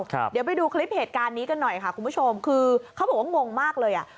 ครับเดี๋ยวไปดูคลิปเหตุการณ์นี้กันหน่อยค่ะคุณผู้ชมคือเขาบอกว่างงมากเลยอ่ะ